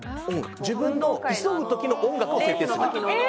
自分の急ぐときの音楽を設定するえ！？